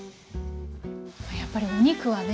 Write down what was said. やっぱりお肉はね